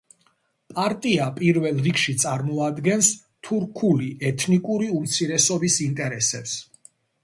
პარტია პირველ რიგში წარმოადგენს თურქული ეთნიკური უმცირესობის ინტერესებს.